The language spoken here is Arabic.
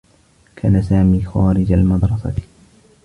كان سامي خارج المدرسة.